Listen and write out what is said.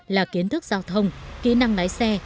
là kiến thức giao thông kỹ năng lái xe